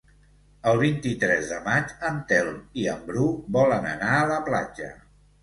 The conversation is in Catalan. El vint-i-tres de maig en Telm i en Bru volen anar a la platja.